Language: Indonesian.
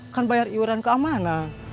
kan bayar iuran ke mana